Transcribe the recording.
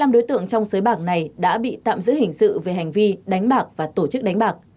bốn mươi năm đối tượng trong xới bạc này đã bị tạm giữ hình sự về hành vi đánh bạc và tổ chức đánh bạc